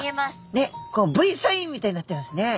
Ｖサインみたいになってますね。